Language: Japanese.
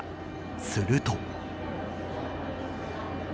すると。